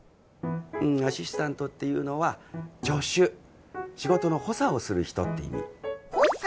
うんアシスタントっていうのは助手仕事の補佐をする人って意味補佐？